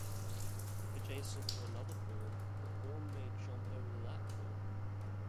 If adjacent to another pawn, the pawn may jump over that pawn.